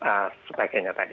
pemerintah bisa memperbaiki